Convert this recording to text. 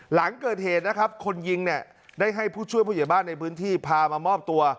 หลังเกิดเหตุคนยิงได้ให้ผู้ช่วยผู้หญิงบ้านในพื้นที่พามามอบตัว